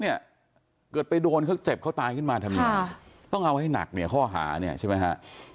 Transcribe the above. เนี่ยเกิดไปโดนเขาเจ็บเขาตายขึ้นมาทำยังไงต้องเอาให้หนักเนี่ยข้อหาเนี่ยใช่ไหมฮะ